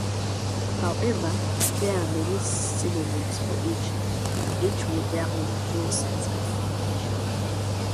However, there are many synonyms for each, each with their own nuances and connotations.